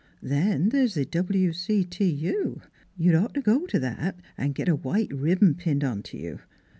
Then the's the W. C. T. U. You'd ought t' go t' that an' git a white ribbon pinned onto you.